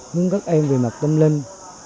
hướng các em về mặt tâm linh